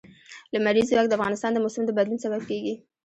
لمریز ځواک د افغانستان د موسم د بدلون سبب کېږي.